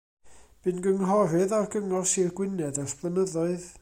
Bu'n gynghorydd ar Gyngor Sir Gwynedd ers blynyddoedd.